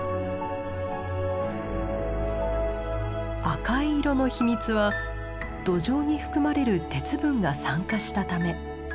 赤い色の秘密は土壌に含まれる鉄分が酸化したため。